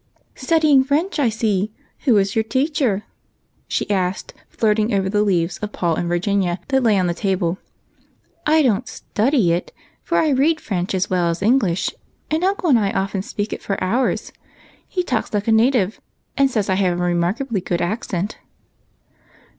"Studying French, I see; who is your teacher?" she asked, flirting over the leaves of " Paul and Virginia," that lay on the table. "I don't study it, for I read French as well as English, and uncle and I often speak it for hours. He talks like a native, and says I have a remarkably good accent."